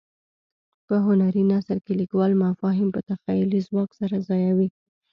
په هنري نثر کې لیکوال مفاهیم په تخیلي ځواک سره ځایوي.